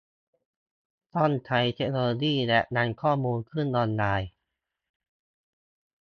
ต้องใช้เทคโนโลยีและนำข้อมูลขึ้นออนไลน์